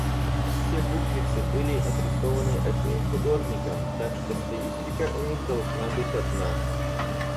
Все буквицы были отрисованы одним художником, так что стилистика у них должна быть одна.